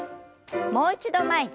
もう一度前に。